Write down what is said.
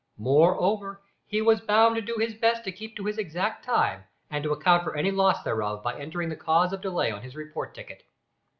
Moreover, he was bound to do his best to keep to his exact time, and to account for any loss thereof by entering the cause of delay on his report ticket.